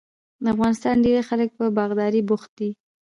د افغانستان ډیری خلک په باغدارۍ بوخت دي.